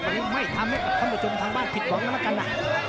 วันนี้ไม่ทำให้คำว่าชมทางบ้านผิดหวังแล้วกันนะ